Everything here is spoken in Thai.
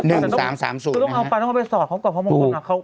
ก็ต้องเอาไปต้องเอาไปสอบเขากับพระมงค์ก่อนอ่ะ